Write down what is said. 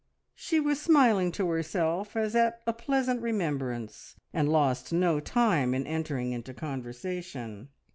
She was smiling to herself as at a pleasant remembrance, and lost no time in entering into conversation.